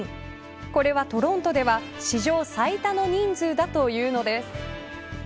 これはトロントでは史上最多の人数だというのです。